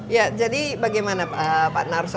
ya jadi bagaimana pak narso